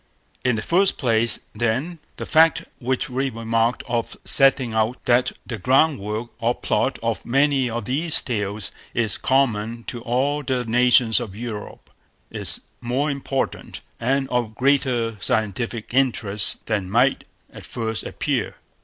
In the first place, then, the fact which we remarked on setting out, that the groundwork or plot of many of these tales is common to all the nations of Europe, is more important, and of greater scientific interest, than might at first appear.